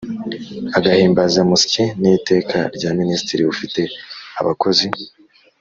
agahimbazamusyi n Iteka rya Minisitiri ufite abakozi